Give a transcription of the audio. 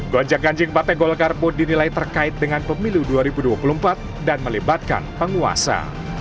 gonjang ganjing partai golkar pun dinilai terkait dengan pemilu dua ribu dua puluh empat dan melibatkan penguasa